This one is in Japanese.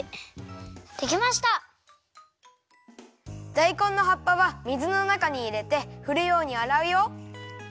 だいこんの葉っぱは水のなかにいれてふるようにあらうよ。